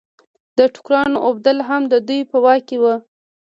د ټوکرانو اوبدل هم د دوی په واک کې وو.